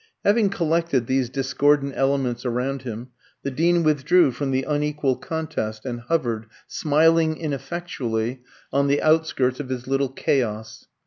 Having collected these discordant elements around him, the Dean withdrew from the unequal contest, and hovered, smiling ineffectually, on the outskirts of his little chaos.